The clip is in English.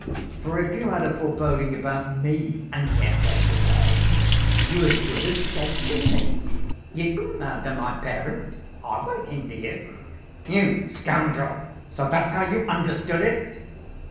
For if you had a foreboding about me and yet went away, you as good as said to me, 'You can murder my parent, I won't hinder you!' " "You scoundrel! So that's how you understood it!"